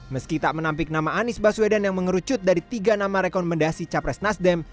meski tak menampik nama anies baswedan yang mengerucut dari tiga nama rekomendasi capres nasdem